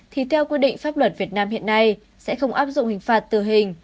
thì theo quy định pháp luật việt nam hiện nay sẽ không áp dụng hình phạt tử hình